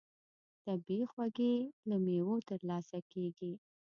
طبیعي خوږې له مېوو ترلاسه کېږي.